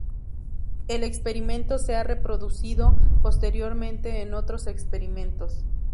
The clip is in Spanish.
El experimento se ha reproducido posteriormente en otros experimentos.